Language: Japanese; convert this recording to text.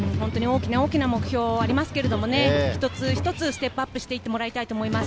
大きな目標がありますけれども、一つ一つステップアップして行ってもらいたいと思います。